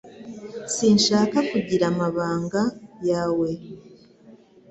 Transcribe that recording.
Sinshaka kugira amabanga yawe